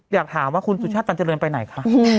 อยากถามว่าคุณสุชาติตันเจริญไปไหนคะ